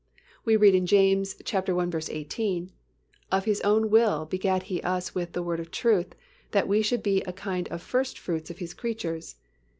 We read in James i. 18, "Of His own will begat He us with the Word of truth, that we should be a kind of first fruits of His creatures."